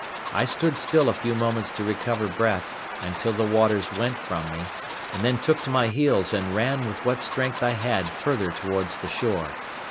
I stood still a few moments to recover breath, and till the waters went from me, and then took to my heels and ran with what strength I had further towards the shore.